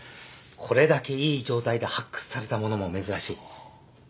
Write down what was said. これだけいい状態で発掘されたものも珍しい。